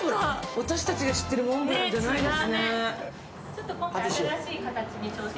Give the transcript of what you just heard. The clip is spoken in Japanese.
私たちが知ってるモンブランじゃないですね。